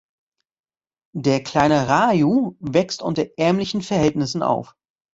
Der kleine Raju wächst unter ärmlichen Verhältnissen auf.